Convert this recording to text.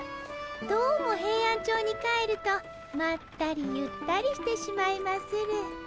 どうもヘイアンチョウに帰るとまったりゆったりしてしまいまする。